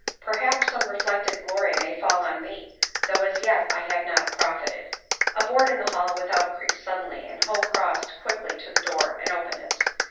Perhaps some reflected glory may fall on me, though as yet I have not profited A board in the hall without creaked suddenly and ho crossed quickly to the door and opened it.